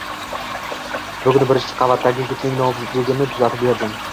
Bugun birinchi qavatdagi yigitning noutbugini tuzatib berdim